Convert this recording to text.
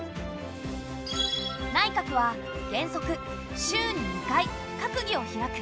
内閣は原則週に２回閣議を開く。